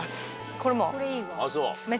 これもう。